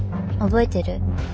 覚えてる？